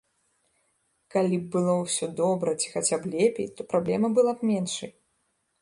Калі б было ўсё добра ці хаця б лепей, то праблема была б меншай.